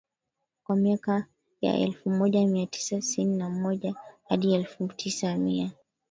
ka miaka ya elfu moja mia tisa tisini na moja hadi elfu tisa mia